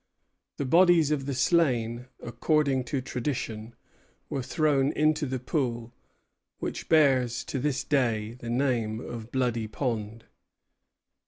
The bodies of the slain, according to tradition, were thrown into the pool, which bears to this day the name of Bloody Pond.